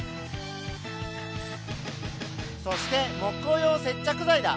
そして木工用接着ざいだ。